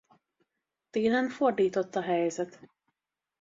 Télen fordított a helyzet.